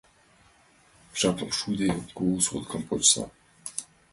— Жапым шуйыде, кугу сходкым почса.